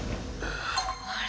あれ？